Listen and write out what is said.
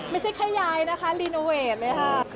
ไม่ใช่แค่ยายนะคะรีโนเวทเลยค่ะ